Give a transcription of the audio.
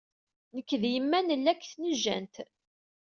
Nekk d yemma nella deg tejnant.